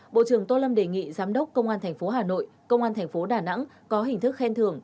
bộ trưởng tô lâm đề nghị giám đốc công an tp hà nội công an thành phố đà nẵng có hình thức khen thưởng